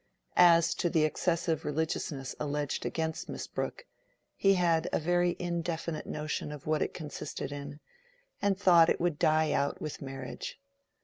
As to the excessive religiousness alleged against Miss Brooke, he had a very indefinite notion of what it consisted in, and thought that it would die out with marriage.